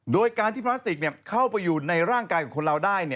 โดยการที่พลาสติกเข้าไปอยู่ในร่างกายของคนเราได้